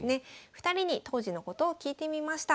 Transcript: ２人に当時のことを聞いてみました。